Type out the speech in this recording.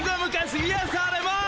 いやされます。